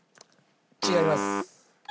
違います。